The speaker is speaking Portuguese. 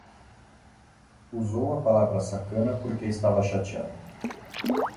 Usou a palavra sacana porque estava chateado